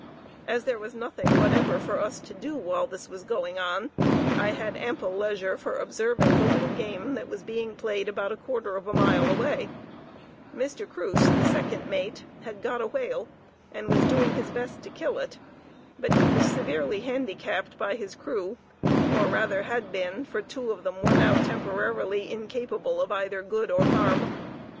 As there was nothing whatever for us to do while this was going on, I had ample leisure for observing the little game that was being played about a quarter of a mile away, Mr. Cruce, the second mate, had got a whale and was doing his best to kill it; but he was severely handicapped by his crew, or rather had been, for two of them were now temporarily incapable of either good or harm.